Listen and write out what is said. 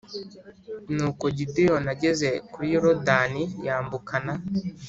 Nuko Gideyoni ageze kuri Yorodani yambukana